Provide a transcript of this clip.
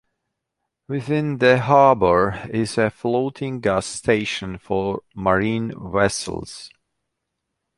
Within the harbour is a floating gas station for marine vessels.